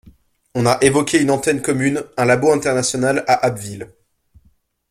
on a évoqué une antenne commune, un labo international, à Abbeville